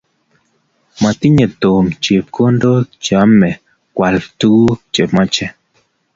matinyei tom chepkondok cheemei koal tukuk chemachei